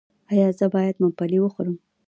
ایا زه باید ممپلی وخورم؟